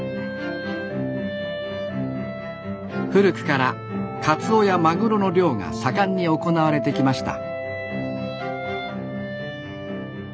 古くからカツオやマグロの漁が盛んに行われてきました。